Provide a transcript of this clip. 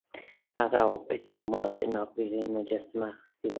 هغه وویل چې ما د ناپلیون مجسمه اخیستې وه.